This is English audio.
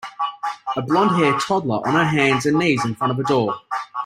A blondhair toddler on her hands and knees in front of a door.